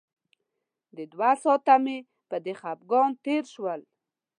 د دوه ساعته مې په دې خپګان کې تېر شول.